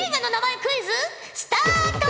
クイズスタート！